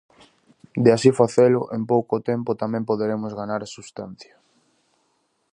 De así facelo, en pouco tempo tamén poderemos ganar substancia.